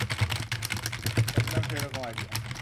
একদম সেই রকম আইডিয়া!